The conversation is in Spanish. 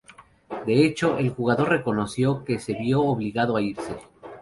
De hecho, el jugador reconoció que se vio obligado a irse.